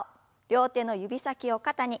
両手の指先を肩に。